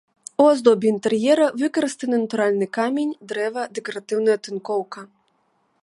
У аздобе інтэр'ера выкарыстаны натуральны камень, дрэва, дэкаратыўная тынкоўка.